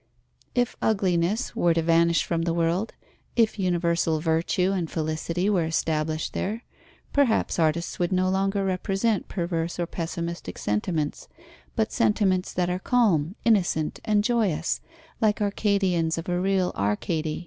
If ugliness were to vanish from the world, if universal virtue and felicity were established there, perhaps artists would no longer represent perverse or pessimistic sentiments, but sentiments that are calm, innocent, and joyous, like Arcadians of a real Arcady.